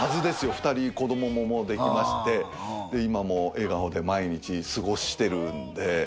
２人子どもももうできまして今も笑顔で毎日過ごしてるんで。